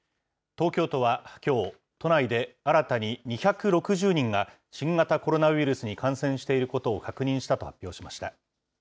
東京都はきょう、都内で新たに２６０人が、新型コロナウイルスに感染していることを確認したと発表しました。